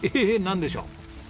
ええなんでしょう？